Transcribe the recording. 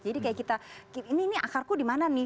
jadi kayak kita ini akarku dimana nih